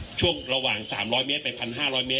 คุณผู้ชมไปฟังผู้ว่ารัฐกาลจังหวัดเชียงรายแถลงตอนนี้ค่ะ